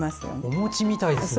お餅みたいですね。